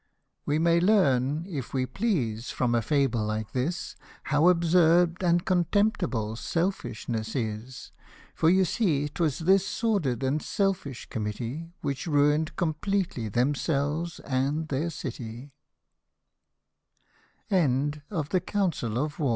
We may learn, if we please, from a fable like this, How absurd and contemptible selfishness is ; For you see 'twas this sordid and selfish committee Which ruin'd completely themselves